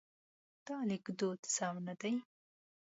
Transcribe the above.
دا لیکدود سم نه دی.